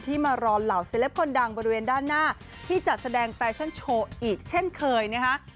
มารอเหล่าเซลปคนดังบริเวณด้านหน้าที่จัดแสดงแฟชั่นโชว์อีกเช่นเคยนะคะ